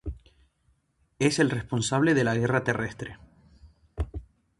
Es el responsable de la guerra terrestre.